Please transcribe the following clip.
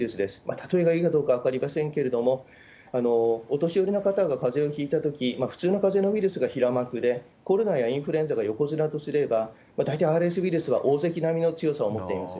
たとえがいいのかどうか分かりませんけれども、お年寄りの方がかぜをひいたとき、普通のかぜのウイルスが平幕で、コロナやインフルエンザが横綱とすれば、大体ＲＳウイルスは大関並の強さを持っています。